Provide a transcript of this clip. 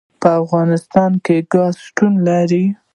په افغانستان کې ګاز شتون لري.